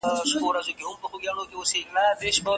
یو تور پوستی حبشي د کعبې سر ته وخوت.